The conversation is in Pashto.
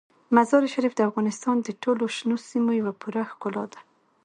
مزارشریف د افغانستان د ټولو شنو سیمو یوه پوره ښکلا ده.